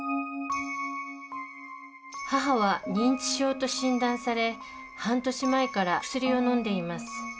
母は認知症と診断され半年前から薬をのんでいます。